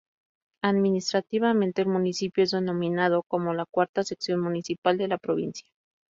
Administrativamente, el municipio es denominado como la "cuarta sección municipal" de la provincia.